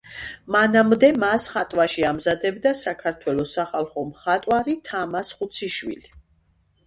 მანამდე, მას ხატვაში ამზადებდა საქართველოს სახალხო მხატვარი თამაზ ხუციშვილი.